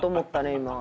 今。